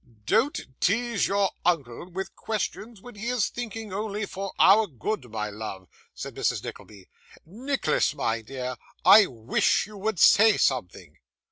'Don't tease your uncle with questions when he is thinking only for our good, my love,' said Mrs. Nickleby. 'Nicholas, my dear, I wish you would say something.